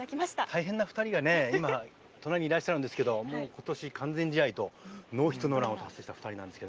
大変な２人が隣にいらっしゃるんですけど今年、完全試合とノーヒットノーランを達成した２人です。